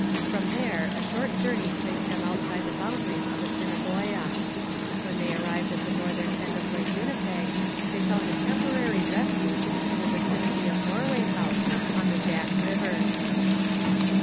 From there a short journey placed them outside the boundaries of Assiniboia. When they arrived at the northern end of Lake Winnipeg they found a temporary refuge, in the vicinity of Norway House, on the Jack river.